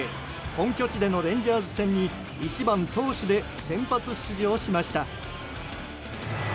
本拠地でのレンジャース戦に１番投手で先発出場しました。